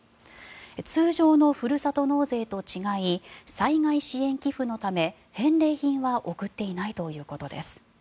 通常のふるさと納税と違い災害支援寄付のため返礼品は送っていないということです。